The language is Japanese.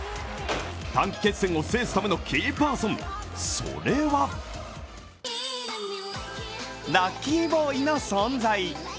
短期決戦を制するためのキーパーソンそれはラッキーボーイの存在。